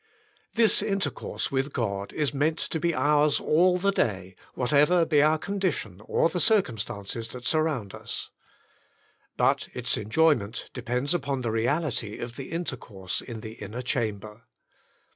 This intercourse with God is meant to be ours 25 i6 The Inner Chamber all the day, whatever be our condition or the cir cumstances that surround us. But its enjoyment depends mpon the reality of the intercourse in the inner chamber.